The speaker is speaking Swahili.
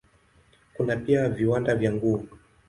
Kuna pia viwanda vya nguo.